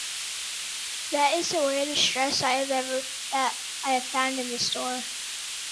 That is the weirdest dress I have found in this store.